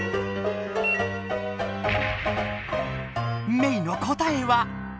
メイの答えは。